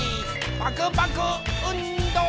パクパクうんど！